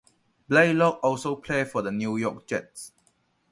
Blaylock also played for the New York Jets.